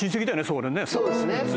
そうですね。